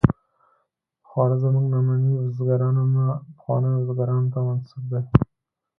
خواړه زموږ ننني بزګرانو نه، پخوانیو بزګرانو ته منسوب دي.